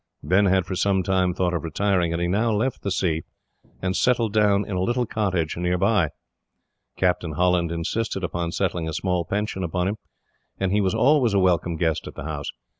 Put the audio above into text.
Ben had for some time thought of retiring, and he now left the sea, and settled down in a little cottage near. Captain Holland insisted upon settling a small pension upon him, and he was always a welcome guest at the house.